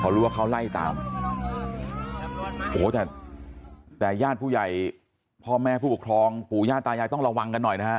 รู้ว่าเขาไล่ตามโอ้โหแต่แต่ญาติผู้ใหญ่พ่อแม่ผู้ปกครองปู่ย่าตายายต้องระวังกันหน่อยนะฮะ